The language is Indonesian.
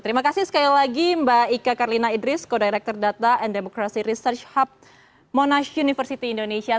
terima kasih sekali lagi mbak ika karlina idris kodirector data and democracy research hub monash university indonesia